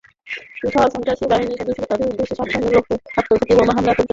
এছাড়াও, সন্ত্রাসী বাহিনীর সদস্যরা তাদের উদ্দেশ্য সাধনের লক্ষ্যে আত্মঘাতী বোমা হামলা পরিচালনা করে।